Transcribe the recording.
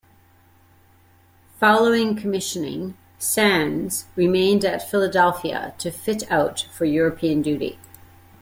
Following commissioning, "Sands" remained at Philadelphia to fit out for European duty.